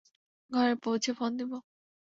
ঘরে পৌঁছে ফোন দিবো।